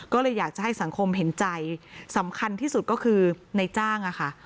ก็เลยอยากจะให้สังคมเห็นใจสำคัญที่สุดก็คือในจ้างอะค่ะ